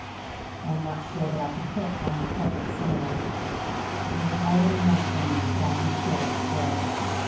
I am not sure that I could hit upon the perfect simile; it is more than enough for me that I can hear it still.